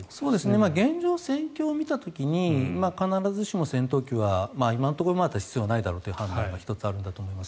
現状、戦況を見た時に必ずしも戦闘機は今のところはまだ必要ないという判断なんだと思います。